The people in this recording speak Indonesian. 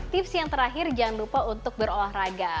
tips yang terakhir jangan lupa untuk berolahraga